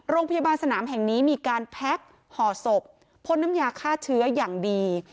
โรงพยาบาลสนามแห่งนี้มีการแพ็คห่อศพพ่นน้ำยาฆ่าเชื้ออย่างดี